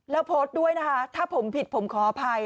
แล้วโพสต์ด้วยนะคะถ้าผมผิดผมขออภัย